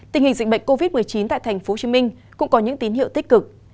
tình hình dịch bệnh covid một mươi chín tại tp hcm cũng có những tín hiệu tích cực